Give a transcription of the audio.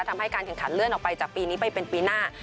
ทำให้การแข่งขันเลื่อนออกไปจากปีนี้ไปเป็นปีหน้า